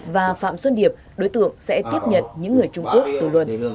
và phạm xuân điệp đối tượng sẽ tiếp nhận những người trung quốc tù luận